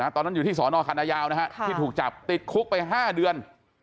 ตอนนั้นอยู่ที่สนคันนายาวที่ถูกจับติดคุกไป๕เดือน